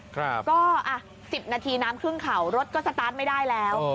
ก็๑๐นาทีน้ำขึ้นเข่ารถก็สตาร์ทไม่ได้แล้ว